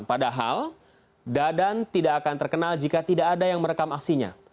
padahal dadan tidak akan terkenal jika tidak ada yang merekam aksinya